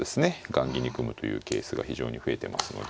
雁木に組むというケースが非常に増えてますので。